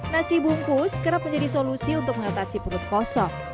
nasi bungkus kerap menjadi solusi untuk mengatasi perut kosong